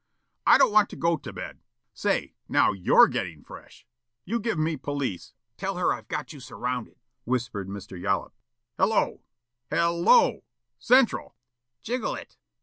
... I don't want to go to bed. ... Say, now YOU'RE gettin' fresh. You give me police " "Tell her I've got you surrounded," whispered Mr. Yollop. "Hello! Hell lo! Central!" "Jiggle it."